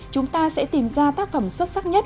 chúng ta sẽ tìm ra tác phẩm xuất sắc nhất